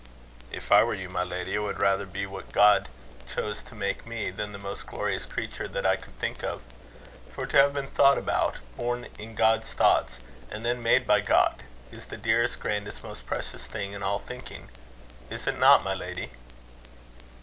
"If I were you, my lady, I would rather be what God chose to make me, than the most glorious creature that I could think of. For to have been thought about born in God's thoughts and then made by God, is the dearest, grandest, most precious thing in all thinking. Is it not, my lady?"